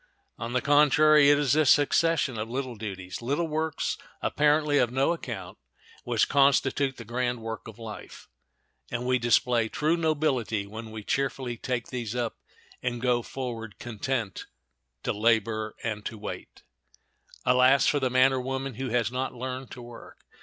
On the contrary, it is this succession of little duties—little works apparently of no account—which constitute the grand work of life; and we display true nobility when we cheerfully take these up and go forward, content to "Labor and to wait." Alas for the man or woman who has not learned to work!